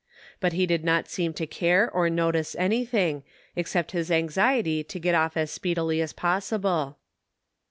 But he did not seem to care or notice anything, except his anxiety to get off as speedily as possible.